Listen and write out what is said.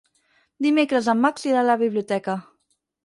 Dimecres en Max irà a la biblioteca.